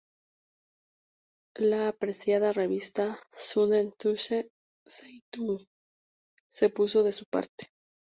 La apreciada revista "Süddeutsche Zeitung" se puso de su parte.